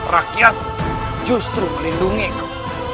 rakyat justru melindungiku